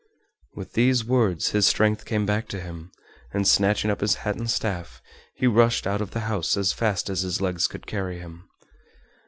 With these words his strength came back to him and, snatching up his hat and staff, he rushed out of the house as fast as his legs could carry him.